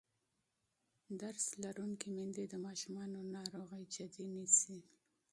تعلیم لرونکې میندې د ماشومانو ناروغي جدي نیسي.